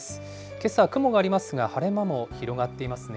けさ、雲がありますが晴れ間も広がっていますね。